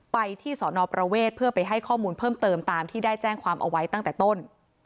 ไปที่สอนอประเวทเพื่อไปให้ข้อมูลเพิ่มเติมตามที่ได้แจ้งความเอาไว้ตั้งแต่ต้น